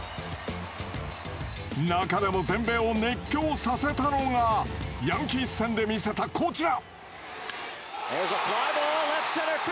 中でも、全米を熱狂させたのがヤンキース戦で見せた、こちら！